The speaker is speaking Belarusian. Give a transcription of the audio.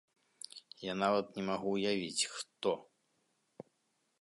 Я нават не магу ўявіць, хто.